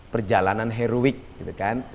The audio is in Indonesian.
perjalanan heroik gitu kan